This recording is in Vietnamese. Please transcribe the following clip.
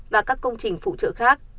và các công trình phụ trợ khác